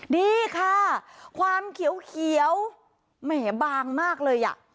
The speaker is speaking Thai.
นี่ค่ะความเขียวแหมบางมากเลยอ่ะ